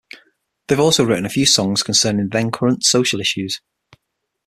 They've also written a few songs concerning then-current social issues.